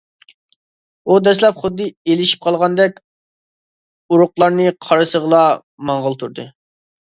ئۇ دەسلەپ خۇددى ئېلىشىپ قالغاندەك ئۇرۇقلارنى قارىسىغىلا ماڭغىلى تۇردى.